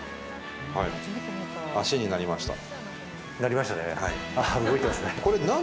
脚になりました。